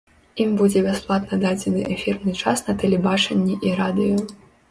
Ім будзе бясплатна дадзены эфірны час на тэлебачанні і радыё.